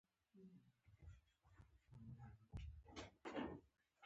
ـ ديوال نم زړوى خو انسان غم زړوى.